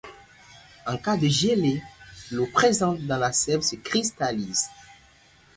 En cas de gelée, l’eau présente dans la sève se cristallise.